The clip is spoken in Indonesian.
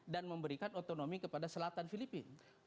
dan memberikan otonomi kepada selatan filipina